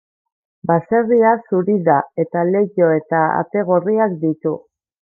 Baserria zuri da eta leiho eta ate gorriak ditu.